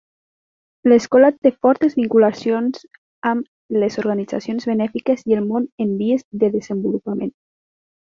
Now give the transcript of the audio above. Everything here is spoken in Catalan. L"escola té fortes vinculacions amb les organitzacions benèfiques i el món en vies de desenvolupament.